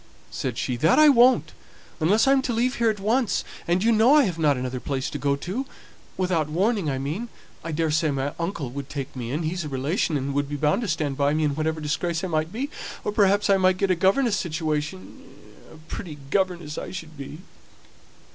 said she. "That I won't. Unless I'm to leave here at once. And you know I have not another place to go to without warning, I mean. I daresay my uncle would take me in; he's a relation, and would be bound to stand by me in whatever disgrace I might be; or perhaps I might get a governess's situation a pretty governess I should be!"